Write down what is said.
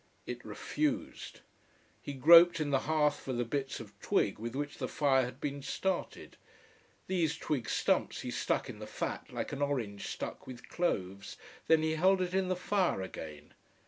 It refused. He groped in the hearth for the bits of twigs with which the fire had been started. These twig stumps he stuck in the fat, like an orange stuck with cloves, then he held it in the fire again.